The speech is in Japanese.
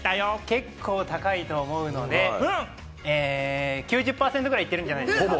結構高いと思うので、９０％ぐらい、いってるんじゃないですか？